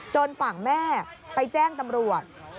ฝั่งแม่ไปแจ้งตำรวจ